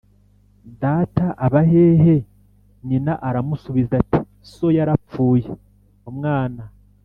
"data aba hehe?" nyina aramusubiza ati: "so yarapfuye." umwana